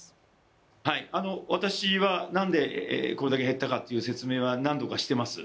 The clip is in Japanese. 私はなんでこれだけ減ったかという説明は何度かしています。